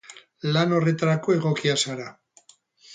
Lan horretarako egokia zara.